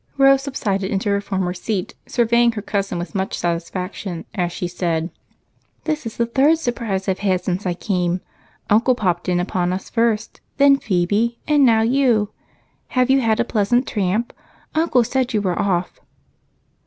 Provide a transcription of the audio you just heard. Rose subsided into her former seat, surveying her cousin with much satisfaction as she said: "This is the third surprise I've had since I came. Uncle popped in upon us first, then Phebe, and now you. Have you had a pleasant tramp? Uncle said you were off."